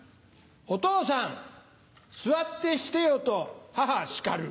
お父さん座ってしてよと母叱る。